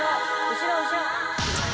後ろ後ろ！